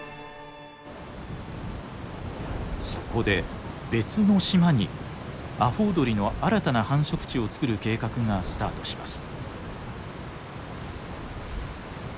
そこで別の島にアホウドリの新たな繁殖地をつくる計画がスタートします。